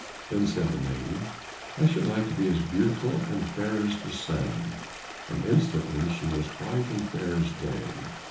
Then said the maiden, "I should like to be as beautiful and fair as the sun," and instantly she was white and fair as day.